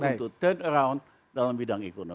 untuk third around dalam bidang ekonomi